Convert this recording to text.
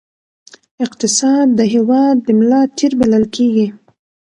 اقتصاد د هېواد د ملا تیر بلل کېږي.